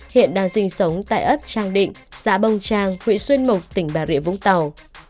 hiện đang sinh sống tại ấp trang định xã bông trang huyện xuyên mộc tỉnh bà rịa vũng tàu